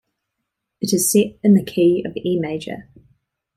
It is set in the key of E major.